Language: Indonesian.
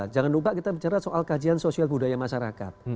jangan lupa kita bicara soal kajian sosial budaya masyarakat